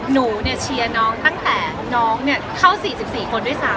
หนูเชียร์น้องตั้งแต่น้องเข้า๔๔คนด้วยซ้ำ